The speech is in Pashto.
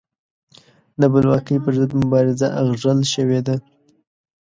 د بلواکۍ پر ضد مبارزه اغږل شوې ده.